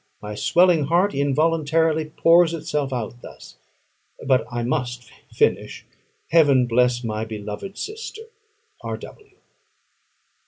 My swelling heart involuntarily pours itself out thus. But I must finish. Heaven bless my beloved sister! R. W.